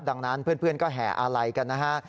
ดังนั้นเพื่อนก็แห่อาลัยกันนะฮะ